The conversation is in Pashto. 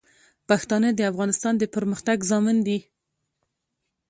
پښتانه د افغانستان د پرمختګ ضامن دي.